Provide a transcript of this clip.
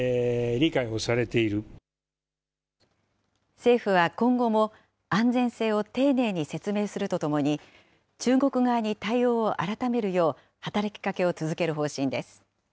政府は今後も安全性を丁寧に説明するとともに、中国側に対応を改めるよう働きかけを続ける方針です。